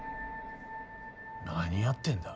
何やってんだ？